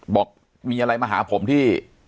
บอกมีอะไรมาหาผมที่